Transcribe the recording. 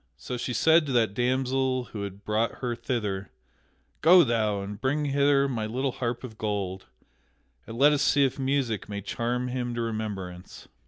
So she said to that damsel who had brought her thither: "Go thou and bring hither my little harp of gold, and let us see if music may charm him to remembrance."